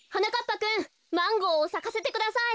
ぱくんマンゴーをさかせてください。